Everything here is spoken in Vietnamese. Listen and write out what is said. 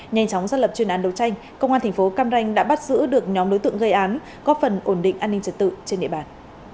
nhanh chóng xác lập chuyên án đấu tranh công an thành phố cam ranh đã bắt giữ được nhóm đối tượng gây án góp phần ổn định an ninh trật tự trên địa bàn